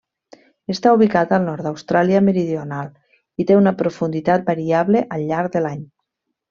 Està ubicat al nord d'Austràlia Meridional i té una profunditat variable al llarg de l'any.